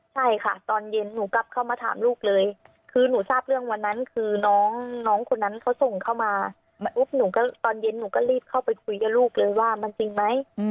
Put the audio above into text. ใช่ค่ะตอนเย็นหนูกลับเข้ามาถามลูกเลยคือหนูทราบเรื่องวันนั้นคือน้องคนนั้นเขาส่งเข้ามาปุ๊บหนูก็ตอนเย็นหนูก็รีบเข้าไปคุยกับลูกเลยว่ามันจริงไหม